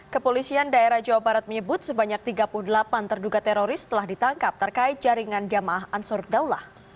kepolisian daerah jawa barat menyebut sebanyak tiga puluh delapan terduga teroris telah ditangkap terkait jaringan jamaah ansur daulah